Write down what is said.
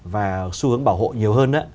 và xu hướng bảo hộ nhiều hơn